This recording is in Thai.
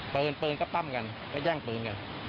ปืนปืนก็ปั้มกันก็แย่งปืนกัน